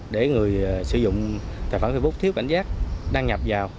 để người sử dụng tài khoản facebook thiếu cảnh giác đăng nhập vào